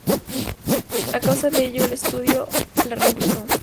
A causa de ello, el estudio la reemplazó.